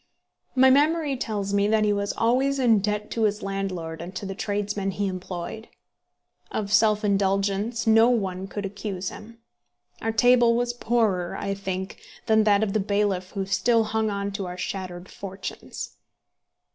My memory tells me that he was always in debt to his landlord and to the tradesmen he employed. Of self indulgence no one could accuse him. Our table was poorer, I think, than that of the bailiff who still hung on to our shattered fortunes.